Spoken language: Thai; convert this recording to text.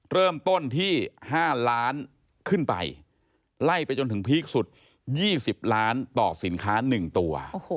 เริ่มต้นที่๕ล้านขึ้นไปไล่ไปจนถึงพีคสุด๒๐ล้านต่อสินค้า๑ตัว